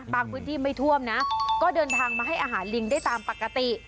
พื้นที่ไม่ท่วมนะก็เดินทางมาให้อาหารลิงได้ตามปกติ